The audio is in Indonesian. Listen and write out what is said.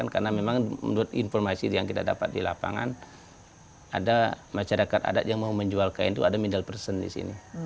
karena memang menurut informasi yang kita dapat di lapangan ada masyarakat adat yang mau menjual kain itu ada middle person di sini